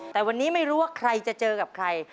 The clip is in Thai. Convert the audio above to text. แต่วันนี้ไม่รู้ว่าใครจะเจอกับใคร